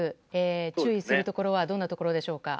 注意するところはどんなところでしょうか。